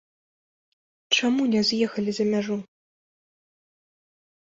Чаму не з'ехалі за мяжу?